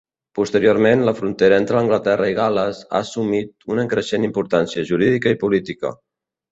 Posteriorment, la frontera entre Anglaterra i Gal·les ha assumit una creixent importància jurídica i política.